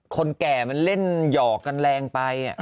คนแก่มันเล่นหยอกกันแรงไป